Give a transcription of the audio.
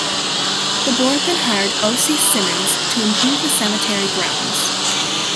The board then hired O. C. Simonds to improve the cemetery grounds.